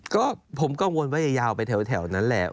ก็ผมกังวลว่าจะยาวไปแถวนั้นแหละ